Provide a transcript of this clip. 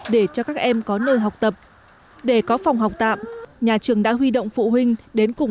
để cho các em có nơi học tập để có phòng học tạm nhà trường đã huy động phụ huynh đến cùng